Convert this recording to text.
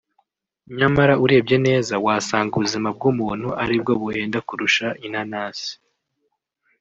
nyamara urebye neza wasanga ubuzima bw’umuntu ari bwo buhenda kurusha inanasi